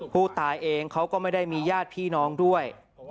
ผู้ตายเองเขาก็ไม่ได้มีญาติพี่น้องด้วย